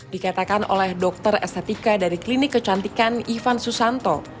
dikatakan oleh dokter estetika dari klinik kecantikan ivan susanto